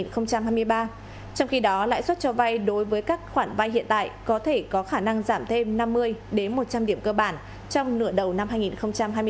trong khi đó lãi suất cho vay đối với các khoản vay hiện tại có thể có khả năng giảm thêm năm mươi một trăm linh điểm cơ bản trong nửa đầu năm hai nghìn hai mươi bốn